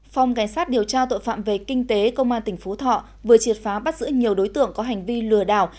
phòng cảnh sát điều tra tội phạm về kinh tế công an tỉnh phú thọ vừa triệt phá bắt giữ nhiều đối tượng có hành vi lừa đảo